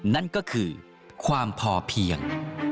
นั่นก็คือความพอเพียง